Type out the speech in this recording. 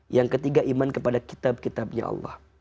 yang ketiga iman kepada kitab kitabnya allah